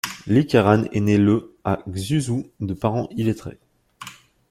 Li Keran est né le à Xuzhou de parents illettrés.